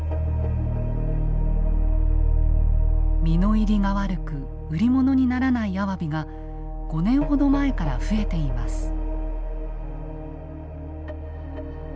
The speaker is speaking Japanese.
身の入りが悪く売り物にならないアワビが５年ほど前から増えています。